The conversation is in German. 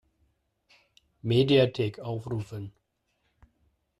Mediathek aufrufen!